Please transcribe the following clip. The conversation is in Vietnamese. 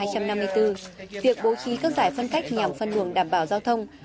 chí thức giải phân cách nhằm phân đường đảm bảo giao thông